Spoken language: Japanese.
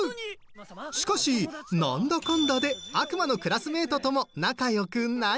しかしなんだかんだで悪魔のクラスメートとも仲良くなり。